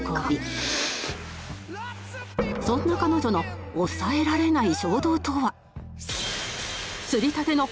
そんな彼女の抑えられない衝動とは